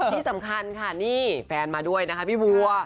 ที่สำคัญค่ะนี่แฟนมาด้วยนะคะพี่บัว